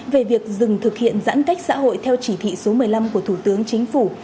về việc dừng thực hiện giãn cách xã hội theo chỉ thị số một mươi năm của thủ tướng chính phủ